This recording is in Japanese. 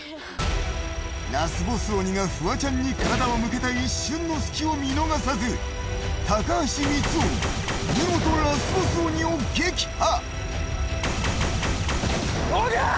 ラスボス鬼がフワちゃんに体を向けた一瞬の隙を見逃さず、高橋光臣、見事ラスボス鬼を撃破！